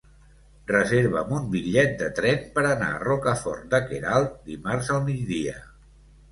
Reserva'm un bitllet de tren per anar a Rocafort de Queralt dimarts al migdia.